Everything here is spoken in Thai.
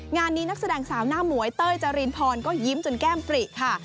งานนี้นักแสดงสาวหน้าหมวยเต้ยจรินพรก็ยิ้มจนแก้มปริค่ะ